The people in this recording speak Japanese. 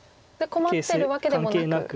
困ってるわけでもなく。